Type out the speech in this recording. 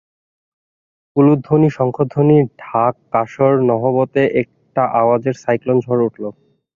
হুলুধ্বনি শঙ্ঘধ্বনি ঢাক-কাঁসর-নহবতে একটা আওয়াজের সাইক্লোন ঝড় উঠল।